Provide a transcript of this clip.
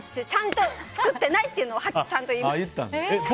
ちゃんと、作ってないっていうのをちゃんと言います。